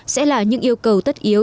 sẽ là những yêu cầu tất yếu